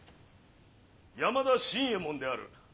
山田新右衛門である。